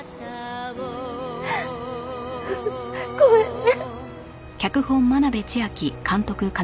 ごめんね。